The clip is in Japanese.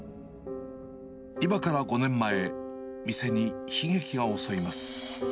今から５年前、店に悲劇が襲います。